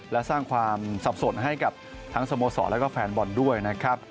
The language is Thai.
และสร้างความสับสนให้กับทั้งสโมสรแล้วก็แฟนบอลด้วยนะครับ